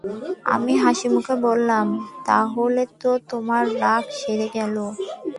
আমি হাসিমুখে বললাম, তাহলে তো তোমার রোগ সেরে গেল।